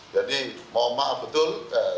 jadi maaf betul